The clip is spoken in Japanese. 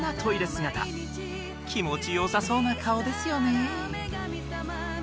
姿気持ちよさそうな顔ですよね